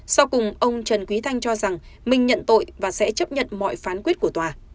sau cùng ông trần quý thanh cho rằng mình nhận tội và sẽ chấp nhận mọi phán quyết của tòa